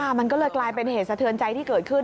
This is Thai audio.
มันก็เลยกลายเป็นเหตุสะเทือนใจที่เกิดขึ้น